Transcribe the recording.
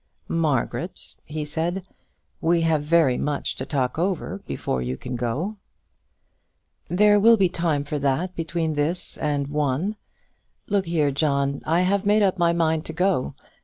"Margaret," he said, "we have very much to talk over before you can go." "There will be time for that between this and one. Look here, John; I have made up my mind to go.